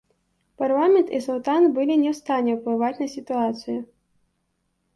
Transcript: Парламент і султан былі не ў стане ўплываць на сітуацыю.